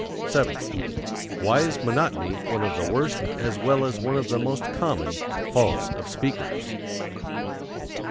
7. Why is monotony one of the worst as well as one of the most common faults of speakers?